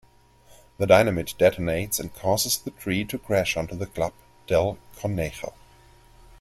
The dynamite detonates and causes the tree to crash onto the Club Del Conejo.